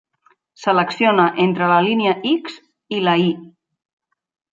Selecciona entre la línia X i la Y.